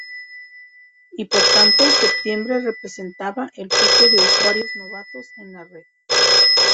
Y por tanto septiembre representaba el pico de usuarios novatos en la red.